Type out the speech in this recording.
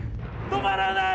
「止まらない！